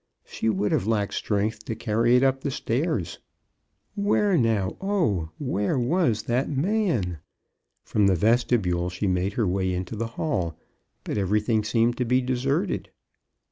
She would have lacked strength to carry it up the stairs. Where, now, oh ! where was that man ? From the vestibule she made her way into the hall, but everything seemed to be deserted.